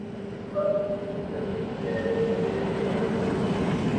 ساتھ چلنے کو چلے تھے سبھی دوست دشمن